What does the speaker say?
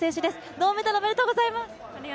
銅メダル、おめでとうございます。